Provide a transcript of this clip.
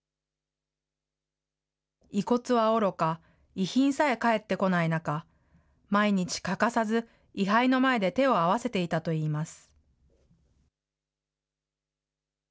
遺骨はおろか遺品さえ返ってこない中、毎日欠かさず、位はいの前で手を合わせていたといいます。